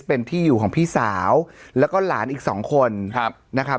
เป็นที่อยู่ของพี่สาวแล้วก็หลานอีกสองคนครับนะครับ